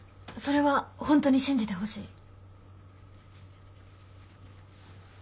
それはホントに信じてほしい。